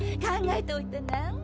考えておいてね。